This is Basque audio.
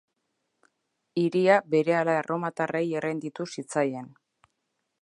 Hiria berehala erromatarrei errenditu zitzaien.